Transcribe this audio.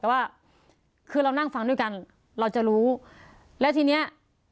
แต่ว่าคือเรานั่งฟังด้วยกันเราจะรู้แล้วทีเนี้ย